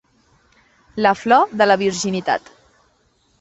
La flor de la virginitat.